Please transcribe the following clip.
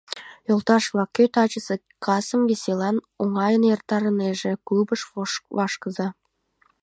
Йолташ-влак кӧ тачысе касым веселан, оҥайын эртарынеже — клубыш вашкыза.